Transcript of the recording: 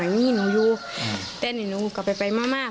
แต่นี่กำลังกลับไปยังอยู่มาก